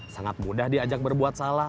sangat mudah diajak berbuat salah